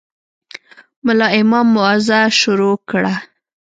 ملا امام موعظه شروع کړه.